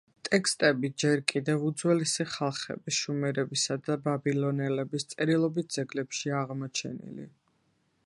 ტექსტები ჯერ კიდევ უძველესი ხალხების, შუმერებისა და ბაბილონელების, წერილობით ძეგლებშია აღმოჩენილი.